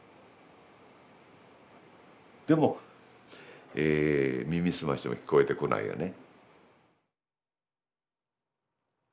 でも耳澄ましても聞こえてこないよね。